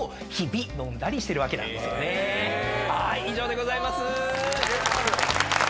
はい以上でございます！